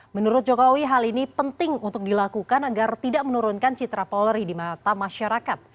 menurut jokowi hal ini penting untuk dilakukan agar tidak menurunkan citra polri di mata masyarakat